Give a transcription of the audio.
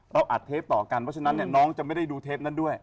อัดเทปต่อกันเพราะฉะนั้นเนี่ยน้องจะไม่ได้ดูเทปนั้นด้วย